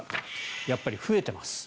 やっぱり増えています。